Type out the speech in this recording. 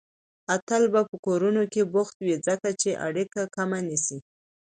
اتل به په کارونو کې بوخت وي، ځکه چې اړيکه کمه نيسي